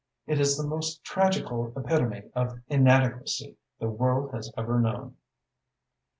It is the most tragical epitome of inadequacy the world has ever known."